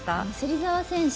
芹澤選手